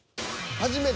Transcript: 「初めて」？